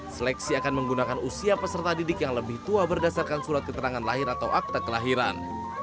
seleksi akan menggunakan usia peserta didik yang lebih tua berdasarkan surat keterangan lahir atau akta kelahiran